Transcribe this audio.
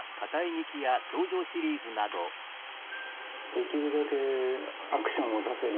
できるだけアクションをさせる。